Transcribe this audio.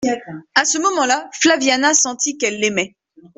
A ce moment-là, Flaviana sentit qu'elle l'aimait.